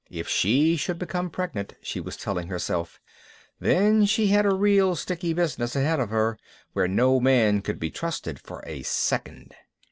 If she should become pregnant, she was telling herself, then she had a real sticky business ahead of her where no man could be trusted for a second.